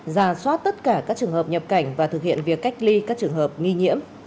ra soát tất cả các trường hợp nhập cảnh và thực hiện việc cách ly các trường hợp nghi nhiễm